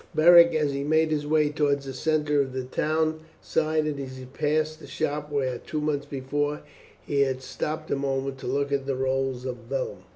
Beric, as he made his way towards the centre of the town, sighed as he passed the shop where two months before he had stopped a moment to look at the rolls of vellum.